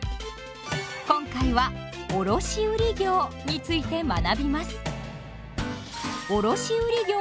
今回は「卸売業」について学びます。